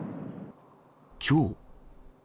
きょう。